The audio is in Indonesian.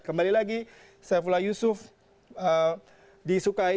kembali lagi saifullah yusuf disukai